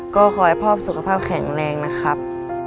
ก็ขอให้พ่อสุขภาพแข็งแรงนะครับ